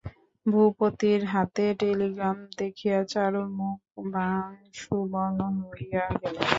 ভূপতির হাতে টেলিগ্রাম দেখিয়া চারুর মুখ পাংশুবর্ণ হইয়া গেল।